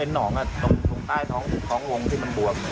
หนองตรงใต้ท้องวงที่มันบวม